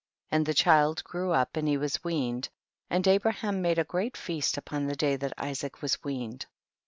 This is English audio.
4. And the child grew up and he was weaned, and Abraham made a great feast upon the day that Isaac was weaned.